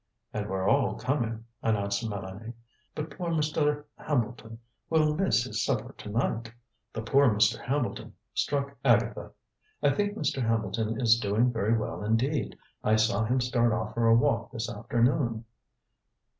"And we're all coming," announced Mélanie. "But poor Mr. Hambleton will miss his supper tonight." The "poor Mr. Hambleton" struck Agatha. "I think Mr. Hambleton is doing very well indeed. I saw him start off for a walk this afternoon."